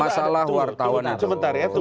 masalah wartawan itu